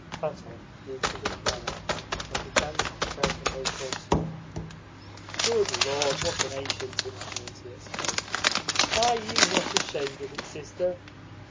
Platon moved to the piano, and began to pick out a note or two. "Good Lord, what an ancient instrument!" he exclaimed. "Are you not ashamed of it, sister?"